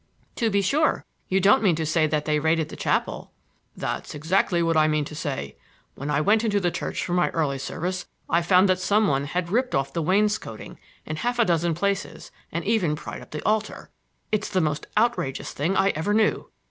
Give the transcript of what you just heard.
"To be sure. You don't mean to say that they raided the chapel?" "That's exactly what I mean to say. When I went into the church for my early service I found that some one had ripped off the wainscoting in a half a dozen places and even pried up the altar. It's the most outrageous thing I ever knew.